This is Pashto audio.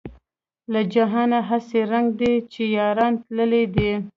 له جهانه هسې زنګ دی چې یاران تللي دي.